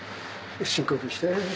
深呼吸して。